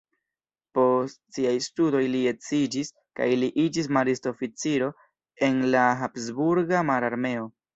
Post siaj studoj li edziĝis kaj li iĝis maristo-oficiro en la Habsburga mararmeo.